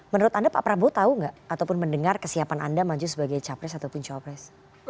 menurut anda pak prabowo tahu tidak ataupun mendengar kesiapan anda maju sebagai capres cawapres